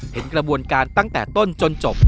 เห็นกระบวนการตั้งแต่ต้นจนจบ